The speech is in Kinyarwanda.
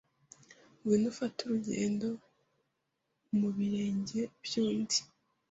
Ngwino ufate urugendo mu birenge by'undi